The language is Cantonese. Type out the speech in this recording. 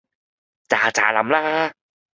咋咋淋啦